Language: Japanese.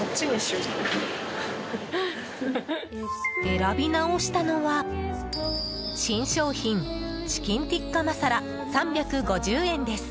選び直したのは新商品チキンティッカマサラ３５０円です。